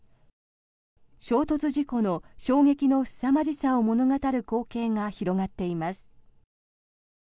衝突事故の衝撃のすさまじさを物語る光景が広がっています。